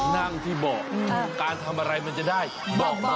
นั่งที่เบาะการทำอะไรมันจะได้เบาะมา